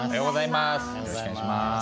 よろしくお願いします。